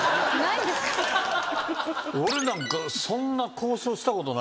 俺なんかそんな交渉したことないし。